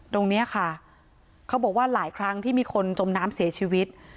ตรงนี้ค่ะเขาบอกว่าหลายครั้งที่มีคนจมน้ำเสียชีวิต